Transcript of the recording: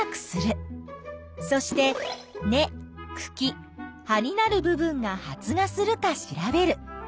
そして根・くき・葉になる部分が発芽するか調べる。